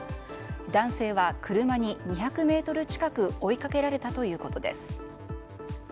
男性は車に２００ｍ近く追いかけられたということです。